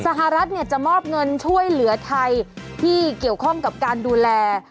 สหรัฐเนี่ยจะมอบเงินช่วยเหลือไทยที่เกี่ยวข้องกับการดูแล